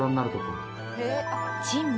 珍味